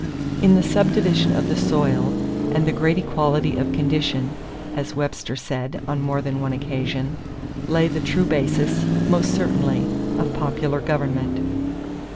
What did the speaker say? "In the subdivision of the soil and the great equality of condition," as Webster said on more than one occasion, "lay the true basis, most certainly, of popular government."